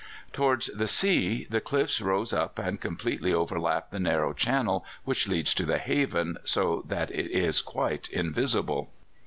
"Towards the sea the cliffs close up and completely overlap the narrow channel which leads to the haven, so that it is quite invisible.